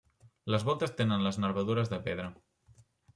Les voltes tenen les nervadures de pedra.